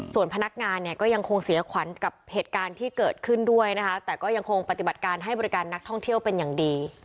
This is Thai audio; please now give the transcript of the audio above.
ส่วนพนักงานเนี่ยก็ยังคงเสียขวัญกับเหตุการณ์ที่เกิดขึ้นด้วยนะคะแต่ก็ยังคงปฏิบัติการให้บริการนักท่องเที่ยวเป็นอย่างดี